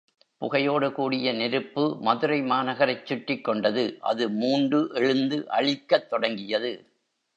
புகையோடு கூடிய நெருப்பு மதுரை மாநகரைச் சுற்றிக் கொண்டது அது மூண்டு எழுந்து அழிக்கத் தொடங்கியது.